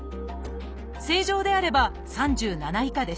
正常であれば３７以下です。